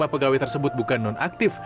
tujuh puluh lima pegawai tersebut bukan nonaktif